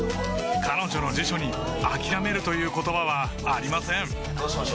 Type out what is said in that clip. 彼女の辞書にあきらめるという言葉はありません